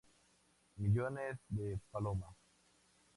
Millones de palomas...".